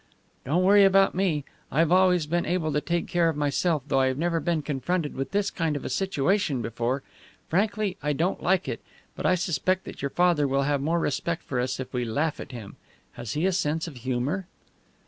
"Don't worry about me. I've always been able to take care of myself, though I've never been confronted with this kind of a situation before. Frankly, I don't like it. But I suspect that your father will have more respect for us if we laugh at him. Has he a sense of humour?"